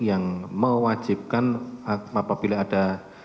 yang mewajibkan apabila ada